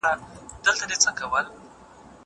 زه پرون پاکوالي وساته!